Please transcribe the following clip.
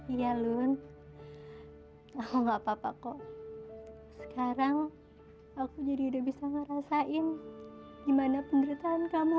iya lun aku nggak apa apa kok sekarang aku jadi udah bisa ngerasain gimana penderitaan kamu